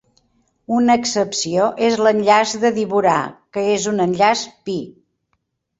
Una excepció és l'enllaç de diborà, que és un enllaç pi.